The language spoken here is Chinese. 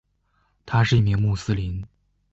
他是一名穆斯林。